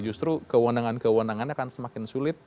justru kewenangan kewenangannya akan semakin sulit